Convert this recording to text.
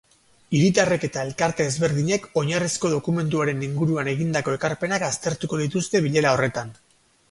Hiritarrek eta elkarte ezberdinek oinarrizko dokumentuaren inguruan egindako ekarpenak aztertuko dituzte bilera horretan.